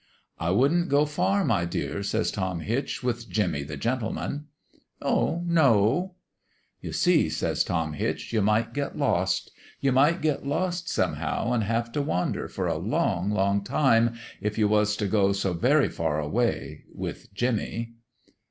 "' I wouldn't go far, my dear,' says Tom Hitch, with Jimmie the Gentleman.' "' Oh, no !'"' You see,' says Tom Hitch, ' you might get lost. You might get lost, somehow, an' have t' wander, for a long, long time, if you was t' go so very far away with Jimmie.'